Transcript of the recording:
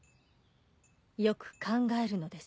よく考えるのです。